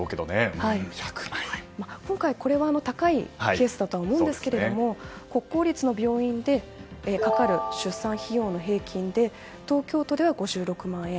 今回、これは高いケースだとは思うんですけれども国公立の病院でかかる出産費用の平均で東京都では５６万円。